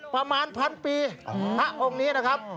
ประมาณพันปีพระองค์นี้นะครับ